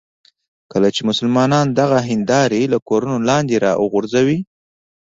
کله چې مسلمانان دغه هندارې له کورونو لاندې راوغورځوي.